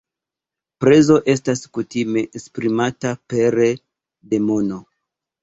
Prezo estas kutime esprimata pere de mono.